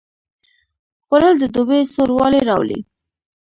خوړل د دوبي سوړ والی راولي